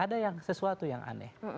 ada sesuatu yang aneh